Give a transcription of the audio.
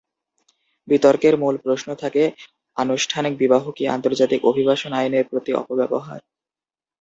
বিতর্কের মূল প্রশ্ন থাকে আনুষ্ঠানিক বিবাহ কি আন্তর্জাতিক অভিবাসন আইনের প্রতি অপব্যবহার?